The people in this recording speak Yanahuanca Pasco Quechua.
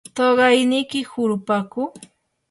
¿tuqayniki hurupaku?